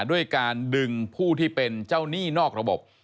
ด้วยการดึงผู้ที่เป็นเจ้าหนี้นอกระบบ